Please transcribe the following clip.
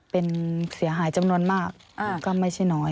เป็นเสียหายจำนวนมากก็ไม่ใช่น้อย